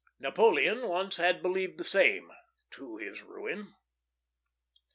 Napoleon once had believed the same, to his ruin.